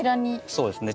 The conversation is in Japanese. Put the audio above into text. そうですね。